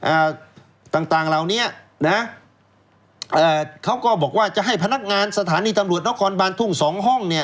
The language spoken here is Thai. อ่าต่างต่างเหล่านี้นะเอ่อเขาก็บอกว่าจะให้พนักงานสถานีตำรวจนครบานทุ่งสองห้องเนี่ย